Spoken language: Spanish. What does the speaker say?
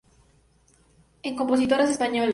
En: "Compositoras españolas.